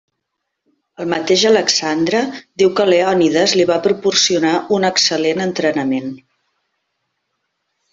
El mateix Alexandre diu que Leònides li va proporcionar un excel·lent entrenament.